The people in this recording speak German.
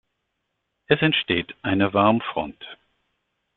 Es entsteht eine "Warmfront".